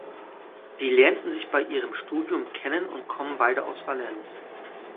Sie lernten sich bei ihrem Studium kennen und kommen beide aus Valence.